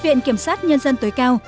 viện kiểm sát nhân dân tối cao